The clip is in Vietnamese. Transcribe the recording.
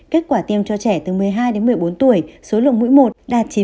kết quả tiêm cho trẻ từ một mươi hai đến một mươi bốn tuổi số lượng mũi một đạt chín mươi